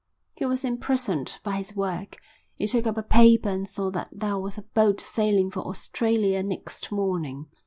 He was imprisoned by his work. He took up a paper and saw that there was a boat sailing for Australia next morning.